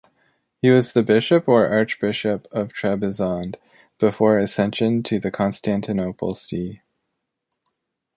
He was the bishop or archbishop of Trebizond before accession to the Constantinople see.